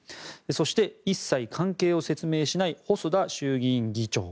そして、一切関係を説明しない細田衆院議長。